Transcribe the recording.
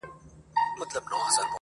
هی توبه چي ورور له ورور څخه پردی سي!!